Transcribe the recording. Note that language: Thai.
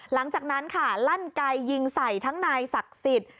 หลังจากนั้นค่ะลั่นไกยิงใส่ทั้งนายศักดิ์สิทธิ์